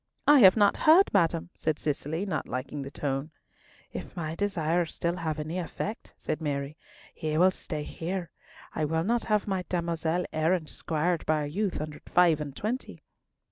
"I have not heard, madam," said Cicely, not liking the tone. "If my desires still have any effect," said Mary, "he will stay here. I will not have my damosel errant squired by a youth under five and twenty."